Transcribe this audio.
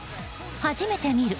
初めて見る。